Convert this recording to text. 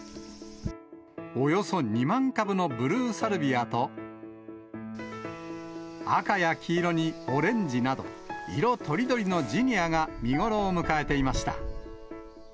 およそ２万株のブルーサルビアと、赤や黄色にオレンジなど、色とりどりのジニアが見頃を迎えていました。